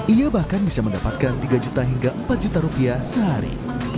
ia bahkan bisa mendapatkan tiga juta hingga empat juta rupiah sehari